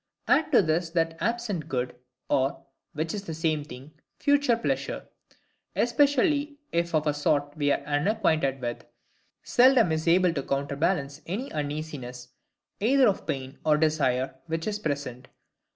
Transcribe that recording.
Add to this, that absent good, or, which is the same thing, future pleasure,—especially if of a sort we are unacquainted with,—seldom is able to counterbalance any uneasiness, either of pain or desire, which is present.